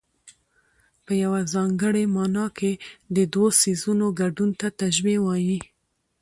په یوه ځانګړې مانا کې د دوو څيزونو ګډون ته تشبېه وايي.